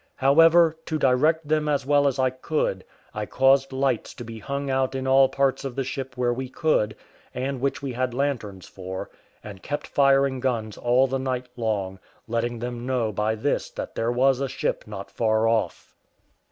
However, to direct them as well as I could, I caused lights to be hung out in all parts of the ship where we could, and which we had lanterns for, and kept firing guns all the night long, letting them know by this that there was a ship not far off.